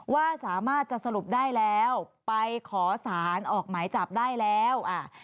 ว่าสามารถจะสรุปได้แล้วไปขอสารออกหมายจับได้แล้วอ่า